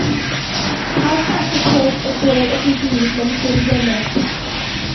Pawb at y peth y bo ydi hi mewn gwirionedd.